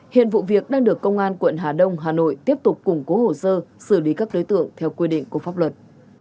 hiện vụ việc đang được công an quận hà đông hà nội tiếp tục củng cố hồ sơ xử lý các đối tượng theo quy định của pháp luật